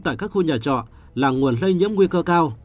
tại các khu nhà trọ là nguồn lây nhiễm nguy cơ cao